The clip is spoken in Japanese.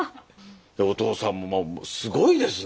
お父さんもすごいですね。